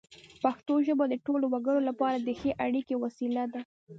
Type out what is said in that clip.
پښتو ژبه د ټولو وګړو لپاره د ښې اړیکې وسیله ده.